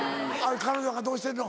彼女なんかどうしてんの？